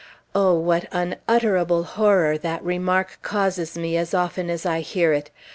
O, what unutterable horror that remark causes me as often as I hear it!